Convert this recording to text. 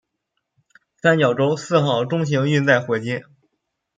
三角洲四号中型运载火箭。